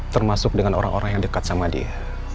termasuk dengan orang orang yang dekat sama dia